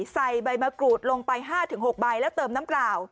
ใส่ใบมะกรูดลงไป๕๖ใบแล้วเติมน้ำเปล่า